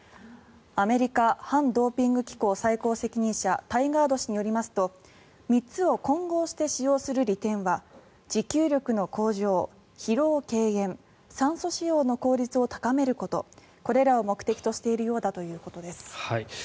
アメリカ反ドーピング機構最高責任者タイガート氏によりますと３つを混合して使用する利点は持久力の向上、疲労軽減酸素使用の効率を高めることこれらを目的としているようだということです。